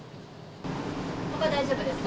ほか、大丈夫ですか？